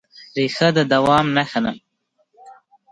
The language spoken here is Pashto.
ریښه د دوام نښه ده.